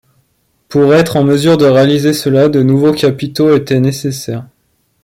Pour être en mesure de réaliser cela, de nouveaux capitaux étaient nécessaires.